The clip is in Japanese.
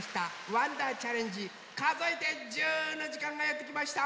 「わんだーチャレンジかぞえて１０」のじかんがやってきました！